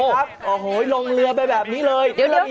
อ๋อโหยลงเรือไปแบบนี้เลย